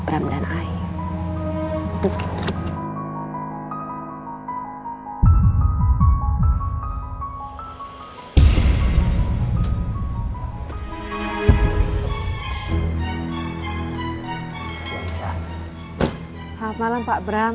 selamat malam pak bram